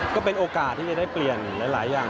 ก็เป็นโอกาสที่จะได้เปลี่ยนหลายอย่าง